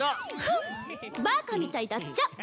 ふんバカみたいだっちゃ。